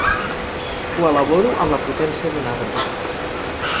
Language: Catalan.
Ho elaboro amb la potència d'un arbre.